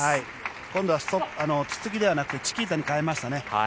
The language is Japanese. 今度はツッツキではなくてチキータに変えましたね。